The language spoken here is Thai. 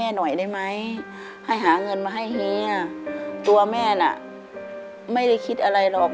หน่อยได้ไหมให้หาเงินมาให้เฮียตัวแม่น่ะไม่ได้คิดอะไรหรอก